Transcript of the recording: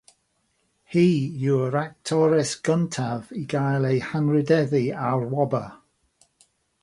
Hi yw'r actores gyntaf i gael ei hanrhydeddu â'r wobr.